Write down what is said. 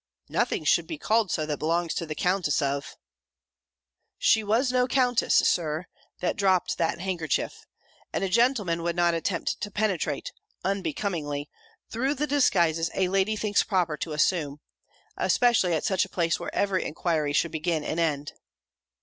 "Nothing should be called so that belongs to the Countess of " "She was no Countess, Sir, that dropt that handkerchief, and a gentleman would not attempt to penetrate, unbecomingly, through the disguises a lady thinks proper to assume; especially at such a place where every enquiry should begin and end."